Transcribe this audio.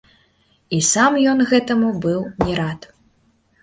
І сам ён гэтаму быў не рад.